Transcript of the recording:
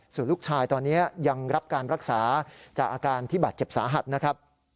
ส่วนลูกชายตอนนี้ยังรับการรักษาจากอาการที่บาดเจ็บสาหัสนะครับ